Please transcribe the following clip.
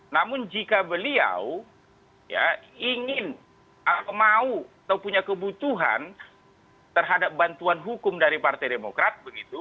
namun jika beliau ingin atau mau atau punya kebutuhan terhadap bantuan hukum dari partai demokrat begitu